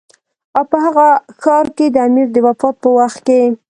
او په هغه ښار کې د امیر د وفات په وخت کې.